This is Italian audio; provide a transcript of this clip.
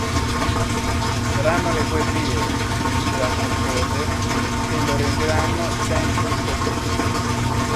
Ma saranno le poesie, che comincerà a comporre, che lo renderanno sempre più felice.